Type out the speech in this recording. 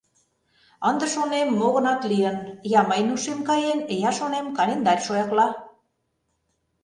Ынде, шонем, мо-гынат лийын: я мыйын ушем каен, я, шонем, календарь шоякла.